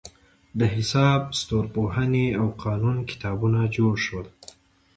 د حساب، ستورپوهنې او قانون کتابونه جوړ شول.